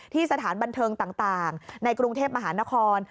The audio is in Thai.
สถานบันเทิงต่างในกรุงเทพมหานคร